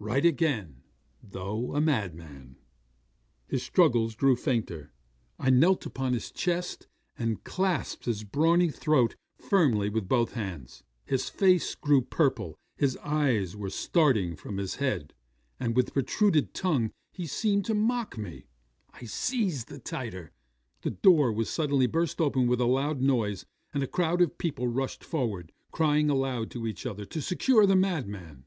Right again, though a madman! His struggles grew fainter. I knelt upon his chest, and clasped his brawny throat firmly with both hands. His face grew purple; his eyes were starting from his head, and with protruded tongue, he seemed to mock me. I squeezed the tighter. 'The door was suddenly burst open with a loud noise, and a crowd of people rushed forward, crying aloud to each other to secure the madman.